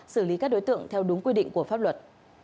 xử lý các đối tượng theo đúng quy định của pháp luật